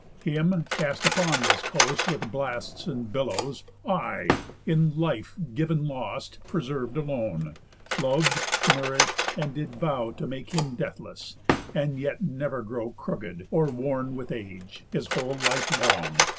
Him, cast upon this coast With blasts and billows, I, in life giv'n lost, Preserv'd alone, lov'd, nourish'd, and did vow To make him deathless, and yet never grow Crooked, or worn with age, his whole life long.